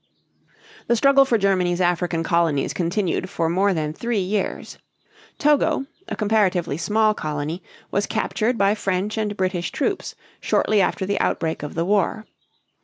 The struggle for Germany's African colonies continued for more than three years. Togo, a comparatively small colony, was captured by French and British troops shortly after the outbreak of the war.